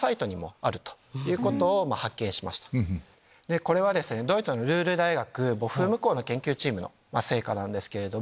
これはドイツのルール大学ボーフム校の研究チームの成果なんですけれども。